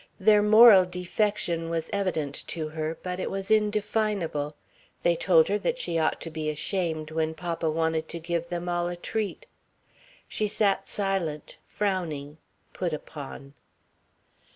Their moral defection was evident to her, but it was indefinable. They told her that she ought to be ashamed when papa wanted to give them all a treat. She sat silent, frowning, put upon.